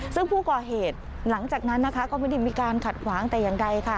ซึ่งผู้ก่อเหตุหลังจากนั้นนะคะก็ไม่ได้มีการขัดขวางแต่อย่างใดค่ะ